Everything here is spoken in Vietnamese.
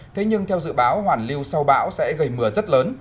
thế nhưng theo dự báo hoàn lưu sau bão sẽ gây mưa rất lớn